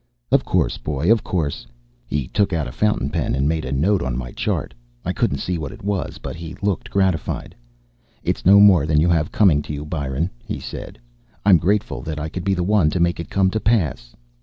"Of course, boy. Of course." He took out a fountain pen and made a note on my chart; I couldn't see what it was, but he looked gratified. "It's no more than you have coming to you, Byron," he said. "I'm grateful that I could be the one to make it come to pass."